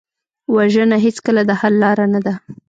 وژنه هېڅکله د حل لاره نه ده